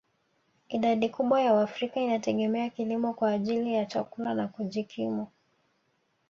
Idadi kubwa ya waafrika inategemea kilimo kwa ajili ya chakula na kujikimu